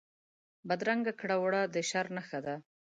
بدرنګه کړه وړه د شر نښه ده